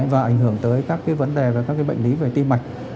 và ảnh hưởng tới các cái vấn đề và các cái bệnh lý về tim mạch